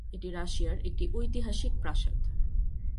এটি রাশিয়ার একটি ঐতিহাসিক প্রাসাদ।